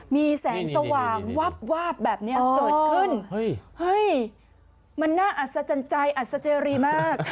มีแสงสว่างวาบวาบแบบนี้เกิดขึ้นเฮ้ยมันน่าอัศจรรย์ใจอัศเจรีมาก